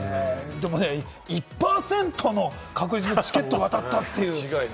１％の確率のチケットが当たったっていう。